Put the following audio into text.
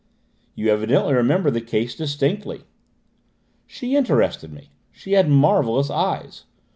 "You evidently remember the case distinctly." "She interested me; she has marvellous eyes.